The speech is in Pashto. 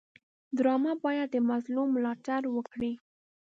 ډرامه باید د مظلوم ملاتړ وکړي